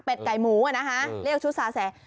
เป็นไก่หมูอ่ะนะคะเรียกชุดซาแสง